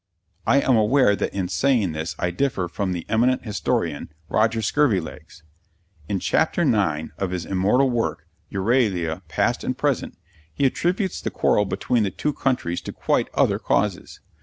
I am aware that in saying this I differ from the eminent historian, Roger Scurvilegs. In Chapter IX of his immortal work, Euralia Past and Present, he attributes the quarrel between the two countries to quite other causes.